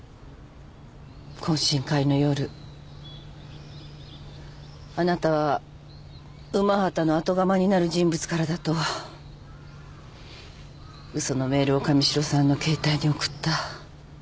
懇親会の夜あなたは午端の後釜になる人物からだと嘘のメールを神代さんの携帯に送った。